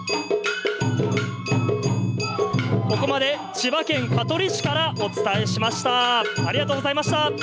千葉県香取市からお伝えしました。